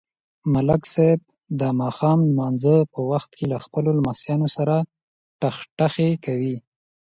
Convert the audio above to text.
ملک صاحب د ماښام نمانځه په وخت له خپلو لمسیانو سره ټخټخی کوي.